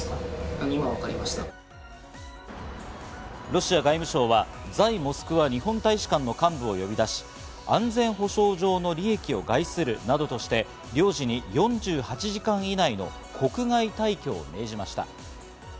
ロシア外務省は在モスクワ日本大使館の幹部を呼び出し、安全保障上の利益を害するなどとして、領事に４８時間以内の国外退去を命じました。